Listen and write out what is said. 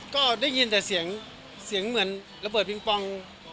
ก็ได้ยินแต่เสียงเสียงเหมือนระเบิดปิงปอง